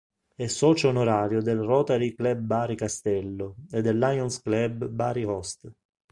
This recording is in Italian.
È socio onorario del Rotary Club Bari Castello e del Lions Club Bari Host.